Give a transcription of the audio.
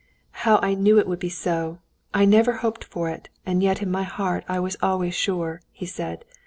"How I knew it would be so! I never hoped for it; and yet in my heart I was always sure," he said.